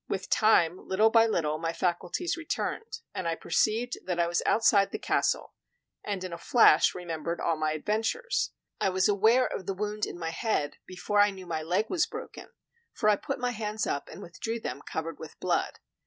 With time, little by little my faculties returned, and I perceived that I was outside the castle, and in a flash remembered all my adventures. I was aware of the wound in my head before I knew my leg was broken; for I put my hands up and withdrew them covered with blood.